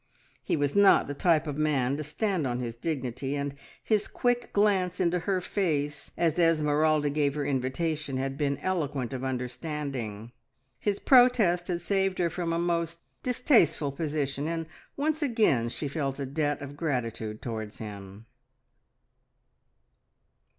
He was not the type of man to stand on his dignity, and his quick glance into her face as Esmeralda gave her invitation had been eloquent of understanding. His protest had saved her from a most distasteful position, and once again she felt a debt of gratitude towards him.